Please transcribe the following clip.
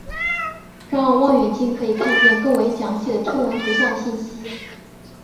让望远镜可以看见更为详细的天文图像信息。